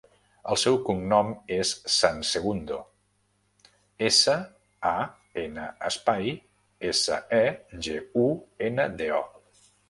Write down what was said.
El seu cognom és San Segundo: essa, a, ena, espai, essa, e, ge, u, ena, de, o.